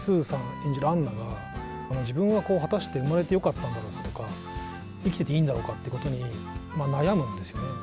演じるアンナが、自分は果たして生まれてよかったんだろうかとか、生きてていいんだろうかということに悩むんですよね。